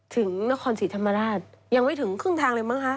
ถึงนครศรีธรรมราชยังไม่ถึงครึ่งทางเลยมั้งคะ